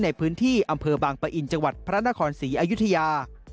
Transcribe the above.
ในพื้นที่อำเภอบางปะอินจังหวัดพระนครศรีอยุธยา